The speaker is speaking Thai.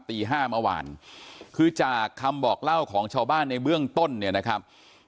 ตีห้าเมื่อวานคือจากคำบอกเล่าของชาวบ้านในเบื้องต้นเนี่ยนะครับ